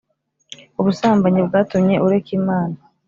ubusambanyi bwatumye ureka Imana